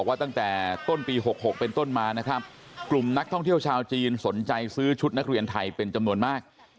ว่าตั้งแต่ต้นปี๖๖เป็นต้นมานะครับกลุ่มนักท่องเที่ยวชาวจีนสนใจซื้อชุดนักเรียนไทยเป็นจำนวนมาก